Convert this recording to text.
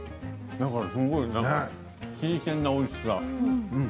だから新鮮なおいしさ。